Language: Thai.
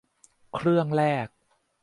เครื่องแรก